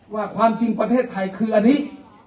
ความจริงประเทศไทยคืออันนี้